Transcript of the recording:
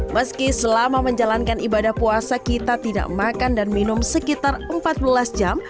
meski selama menjalankan ibadah puasa kita tidak makan dan minum sekitar empat belas jam